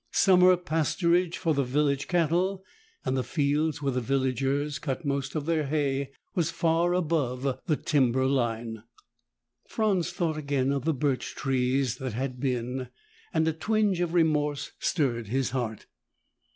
Summer pasturage for the village cattle, and the fields where the villagers cut most of their hay, were far above timber line. Franz thought again of the birch trees that had been and a twinge of remorse stirred his heart.